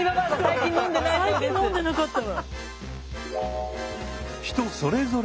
最近飲んでなかったわ。